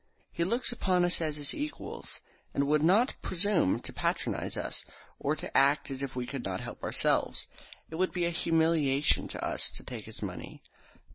He looks upon us as his equals, and would not presume to patronise us, or to act as if we could not help ourselves. It would be a humiliation to us to take his money."